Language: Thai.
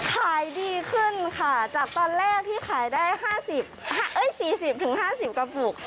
ขายดีขึ้นค่ะจากตอนแรกที่ขายได้๔๐๕๐กระปุก